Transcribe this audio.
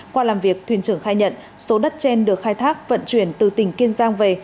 qua làm việc thuyền trưởng khai nhận số đất trên được khai thác vận chuyển từ tỉnh kiên giang về